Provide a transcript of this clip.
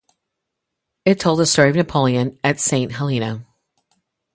It told the story of Napoleon at Saint Helena.